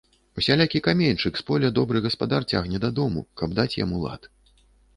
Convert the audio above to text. Усялякі каменьчык з поля добры гаспадар цягне дадому, каб даць яму лад.